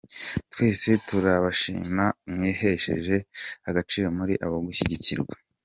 Twese turabashima mwihesheje agaciro muri abo gushyigikirwa .